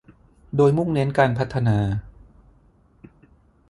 โดยมุ่งเน้นการพัฒนา